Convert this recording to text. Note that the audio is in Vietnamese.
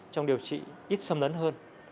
trong điều trị ít sâm lớn hơn